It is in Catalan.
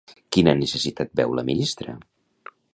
Quina necessitat veu la ministra?